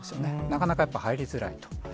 なかなかやっぱ、入りづらいと。